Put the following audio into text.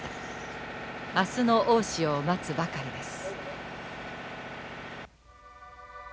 明日の大潮を待つばかりです。